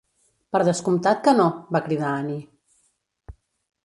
"Per descomptat que no", va cridar Annie.